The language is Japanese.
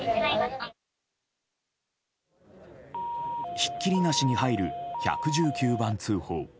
ひっきりなしに入る１１９番通報。